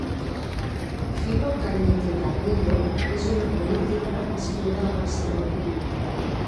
Filo Cañete Carrillo és una política nascuda a Barcelona.